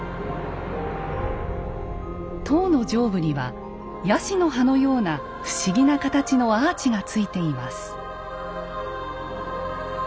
塔の上部にはやしの葉のような不思議な形のアーチが付いています。